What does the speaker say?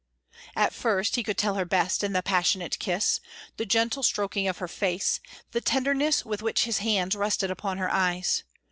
At first he could tell her best in the passionate kiss, the gentle stroking of her face, the tenderness with which his hands rested upon her eyes.